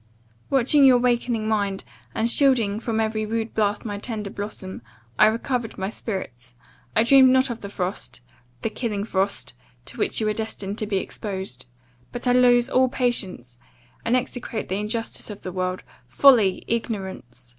Watching your wakening mind, and shielding from every rude blast my tender blossom, I recovered my spirits I dreamed not of the frost 'the killing frost,' to which you were destined to be exposed. But I lose all patience and execrate the injustice of the world folly! ignorance!